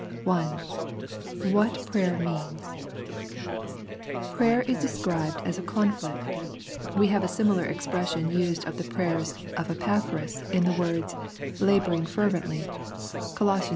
I. What Prayer Means. Prayer is described as a conflict. We have a similar expression used of the prayers of 75 The Prayers of St. Paul Epaphras, in the words "labouring fervently" (CoL iv.